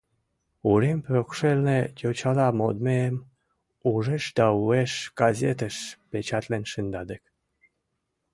Урем покшелне йочала модмем ужеш да уэш газетыш печатлен шында дык...